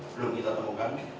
belum kita temukan